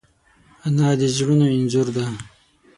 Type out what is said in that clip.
انا د زړونو انځور ده